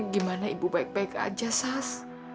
gimana ibu baik baik aja sas